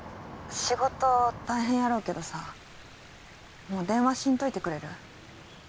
☎仕事大変やろうけどさもう電話しんといてくれる？